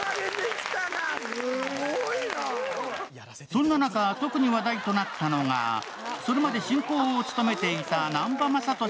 そんな中、特に話題となったのがそれまで進行を務めていた南波雅俊